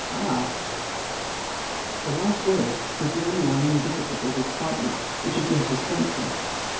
Ah!" That last word was the only one indicative of excitement which had yet escaped him.